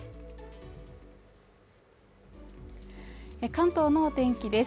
関東のお天気です